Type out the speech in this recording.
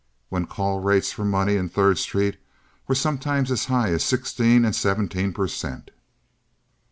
when call rates for money in Third Street were sometimes as high as sixteen and seventeen per cent.